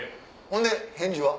ほんで返事は？